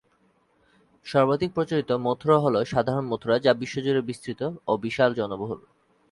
সর্বাধিক পরিচিত মথুরা হলো সাধারণ মথুরা, যা বিশ্বজুড়ে বিস্তৃত ও বিশাল জনবহুল।